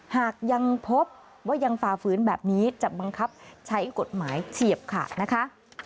หากยังพบว่ายังฝ่าฝืนแบบนี้จะบังคับใช้กฎหมายเฉียบขาดนะคะ